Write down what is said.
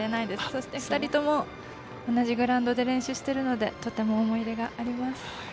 そして、２人とも同じグラウンドで練習しているのでとても思い入れがあります。